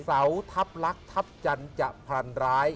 เสาทัพลักษณ์ทัพจันทร์จะพันร้าย